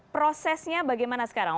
prosesnya bagaimana sekarang